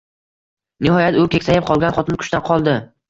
Nihoyat bu keksayib qolgan xotin kuchdan qoldi